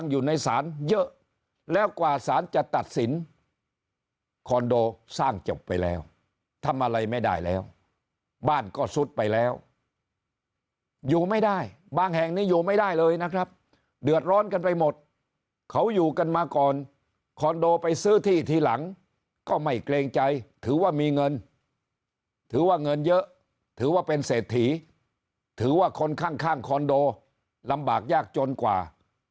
อยู่ในศาลเยอะแล้วกว่าสารจะตัดสินคอนโดสร้างจบไปแล้วทำอะไรไม่ได้แล้วบ้านก็ซุดไปแล้วอยู่ไม่ได้บางแห่งนี้อยู่ไม่ได้เลยนะครับเดือดร้อนกันไปหมดเขาอยู่กันมาก่อนคอนโดไปซื้อที่ทีหลังก็ไม่เกรงใจถือว่ามีเงินถือว่าเงินเยอะถือว่าเป็นเศรษฐีถือว่าคนข้างคอนโดลำบากยากจนกว่า